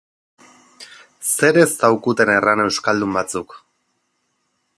Zer ez zaukuten erran euskaldun batzuk!